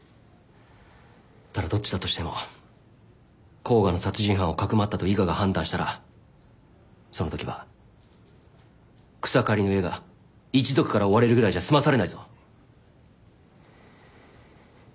ただどっちだとしても甲賀の殺人犯をかくまったと伊賀が判断したらそのときは草刈の家が一族から追われるぐらいじゃ済まされないぞ。